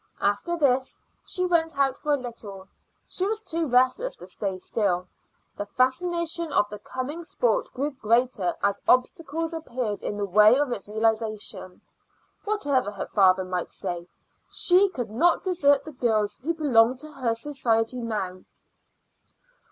After this she went out for a little; she was too restless to stay still. The fascination of the coming sport grew greater as obstacles appeared in the way of its realization. Whatever her father might say, she could not desert the girls who belonged to her society now.